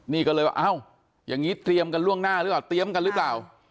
นี่ก็เลยว่าเอ้าอย่างนี้เตรียมกันล่วงหน้าหรือเปล่าเตรียมกันหรือเปล่า